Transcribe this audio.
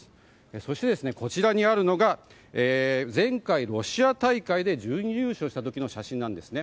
そして、こちらにあるのが前回ロシア大会で準優勝した時の写真です。